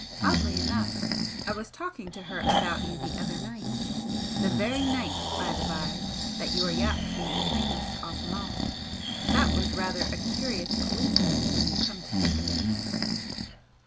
Oddly enough, I was talking to her about you the other night the very night, by the by, that your yacht came behind us off Mull. That was rather a curious coincidence when you come to think of it!"